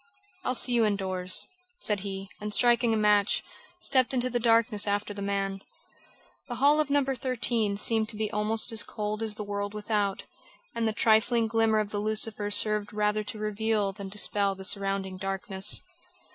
"I'll see you indoors," said he, and striking a match, stepped into the darkness after the man. The hall of No. 13 seemed to be almost as cold as the world without, and the trifling glimmer of the lucifer served rather to reveal than dispel the surrounding darkness.